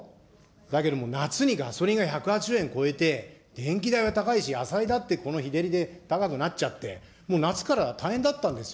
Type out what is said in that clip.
だけども、夏にガソリンが１８０円超えて、電気代は高いし、野菜だってこの日照りで高くなっちゃって、もう夏から大変だったんですよ。